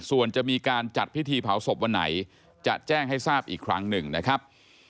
ส่วนจะมีการจัดพิธีเผาศพวันไหนจะแจ้งให้ทราบอีกครั้งหนึ่งนะครับ